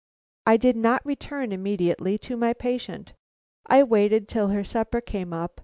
I did not return immediately to my patient. I waited till her supper came up.